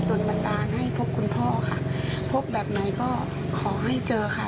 โดนบันดาลให้พบคุณพ่อค่ะพบแบบไหนก็ขอให้เจอค่ะ